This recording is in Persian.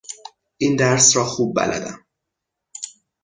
این درس را خوب بلدم.